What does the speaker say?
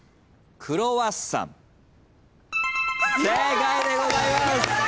正解でございます。